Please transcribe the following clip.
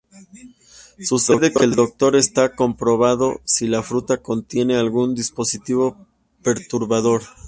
Sucede que el Doctor está comprobando si la fruta contiene algún dispositivo perturbador.